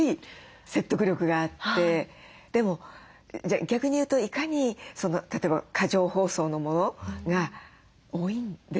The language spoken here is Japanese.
でも逆に言うといかに例えば過剰包装のものが多いんですねって思いました。